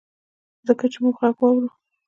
ځکه چي مونږ ږغ واورو